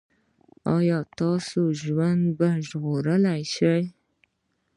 ایا ستاسو ژوند به وژغورل شي؟